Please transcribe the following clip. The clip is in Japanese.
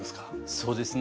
そうですね。